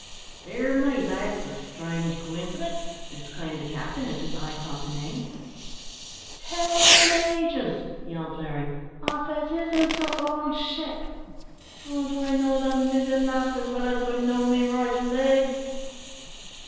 "Dear me! that's a strange coincidence," exclaimed the captain, as his eye caught the name. "Tare an' ages!" yelled Larry, "av it isn't the owld ship! Don't I know the mizzen mast as well as I know me right leg?"